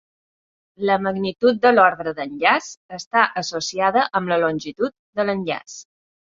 La magnitud de l'ordre d'enllaç està associada amb la longitud de l'enllaç.